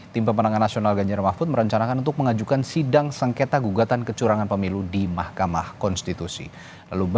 tim liputan kompas tv